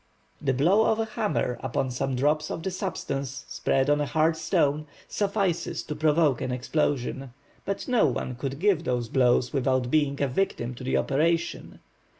The blow of a hammer upon some drops of the substance spread on a hard stone, suffices to provoke an explosion. But no one could give those blows without being a victim to the operation.